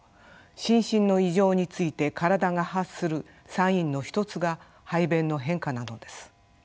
心身の異常について体が発するサインの一つが排便の変化なのです。